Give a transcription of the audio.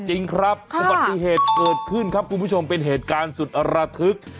จริงครับอุบัติเหตุเกิดขึ้นครับคุณผู้ชมเป็นเหตุการณ์สุดระทึก